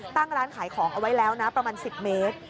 ตั้งร้านขายของเอาไว้แล้วนะประมาณ๑๐เมตร